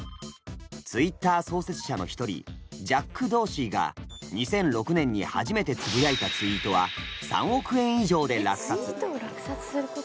Ｔｗｉｔｔｅｒ創設者の一人ジャック・ドーシーが２００６年に初めてつぶやいたツイートは３億円以上で落札。